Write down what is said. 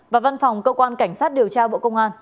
và văn phòng cơ quan cảnh sát điều tra bộ công an